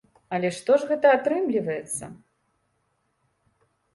Але што ж гэта атрымліваецца?